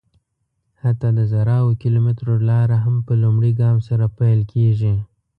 حتی د زرهاوو کیلومترو لاره هم په لومړي ګام سره پیل کېږي.